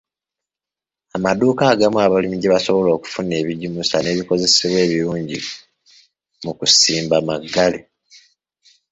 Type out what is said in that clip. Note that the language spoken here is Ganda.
Amaduuka agamu abalimi gye basobola okufuna ebigimusa n'ebikozesebwa ebirungi mu kusimba maggale